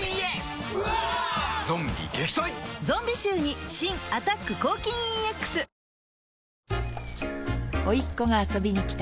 ゾンビ臭に新「アタック抗菌 ＥＸ」甥っ子が遊びにきた